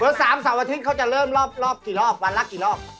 เวิร์ส๓สำหรัฐทฤติเขาจะเริ่มรอบทีกี่รอบวันละกี่รอบ